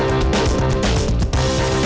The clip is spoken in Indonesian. nggak akan ngediam nih